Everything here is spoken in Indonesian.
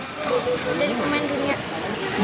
jadi pemain dunia